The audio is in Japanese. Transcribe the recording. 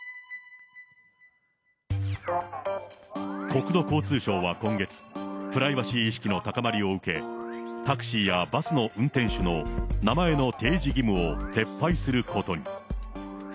国土交通省は今月、プライバシー意識の高まりを受け、タクシーやバスの運転手の名前の提示義務を撤廃することに。